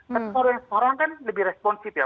semua orang kan lebih responsif ya